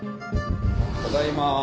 ただいま。